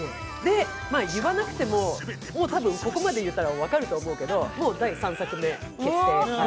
言わなくても、たぶんここまで言ったら分かると思うけどもう第３作目決定。